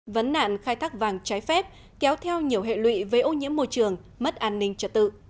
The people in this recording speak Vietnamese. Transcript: vấn nạn khai thác vàng trái phép kéo theo nhiều hệ lụy về ô nhiễm môi trường mất an ninh trật tự